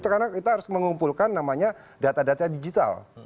karena kita harus mengumpulkan data data digital